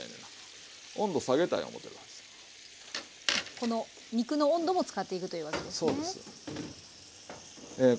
この肉の温度も使っていくというわけですね。